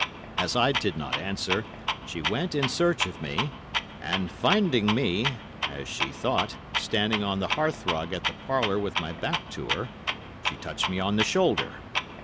As I did not answer, she went in search of me, and finding me, as she thought, standing on the hearthrug of the parlour with my back to her, she touched me on the shoulder.